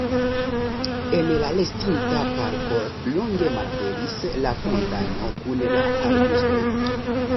En la restinta parko longe malaperis la fontano kun la arbustoj.